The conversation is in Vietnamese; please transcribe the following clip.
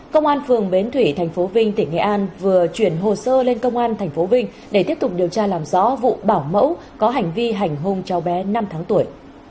công an phường bến thủy thành phố vinh tỉnh nghệ an vừa chuyển hồ sơ lên công an tp vinh để tiếp tục điều tra làm rõ vụ bảo mẫu có hành vi hành hung cháu bé năm tháng tuổi